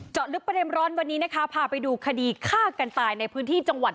ลึกประเด็นร้อนวันนี้นะคะพาไปดูคดีฆ่ากันตายในพื้นที่จังหวัด